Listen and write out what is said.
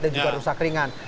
dan juga rusak ringan